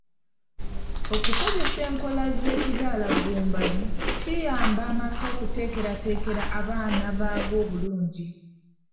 Okukozesa enkola z'ekizaalaggumba kiyamba amaka okuteekerateekera abaana baago obulungi.